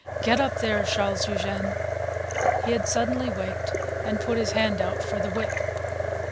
"Get up there, Charles Eugene!" He had suddenly waked and put his hand out for the whip.